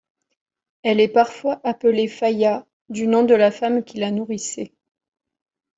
Elle est parfois appelée Phaïa, du nom de la femme qui la nourrissait.